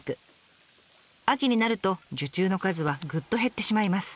秋になると受注の数はグッと減ってしまいます。